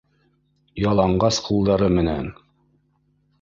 Яланғас ҡулдары менән